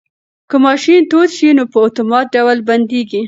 که ماشین تود شي نو په اتومات ډول بندیږي.